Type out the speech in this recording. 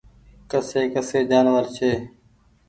ڪسي ڪسي جآنور ڇي۔